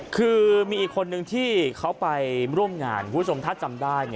คือมีอีกคนนึงที่เขาไปร่วมงานวุฒิสมธรรมทร์จำได้